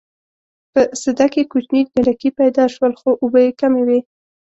په سده کې کوچني ډنډکي پیدا شول خو اوبه یې کمې وې.